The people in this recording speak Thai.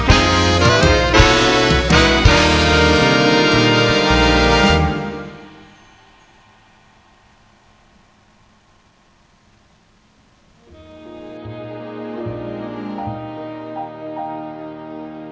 โปรดติดตามตอนต่อไป